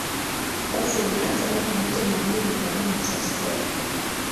Basi walipatana kumuita mhubiri kwa jina Tetzel